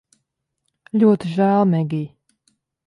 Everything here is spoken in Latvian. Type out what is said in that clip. Ļoti žēl, Megij